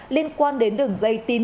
liên quan đến đường dây tiền